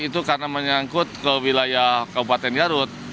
itu karena menyangkut ke wilayah kabupaten garut